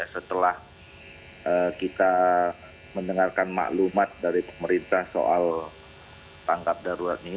setelah kita mendengarkan maklumat dari pemerintah soal tangkap darurat ini